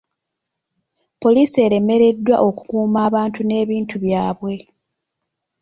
Poliisi eremereddwa okukuuma abantu n'ebintu byabwe.